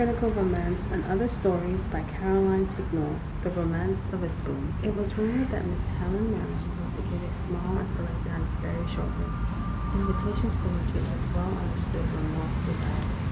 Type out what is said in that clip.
THE ROMANCE OF A SPOON THE ROMANCE OF A SPOON IT was rumored that Miss Helen Maryland was to give a small and select dance very shortly invitations to which, it was well understood, were most desirable.